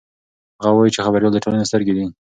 هغه وایي چې خبریال د ټولنې سترګې دي.